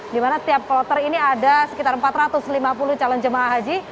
di mana setiap kloter ini ada sekitar empat ratus lima puluh calon jemaah haji